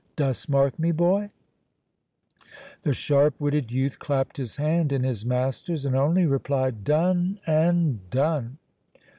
Dost mark me, boy?" The sharp witted youth clapped his hand in his master's, and only replied, "Done, and done."